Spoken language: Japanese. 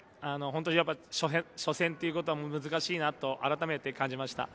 初戦ということは難しいなとあらためて感じました。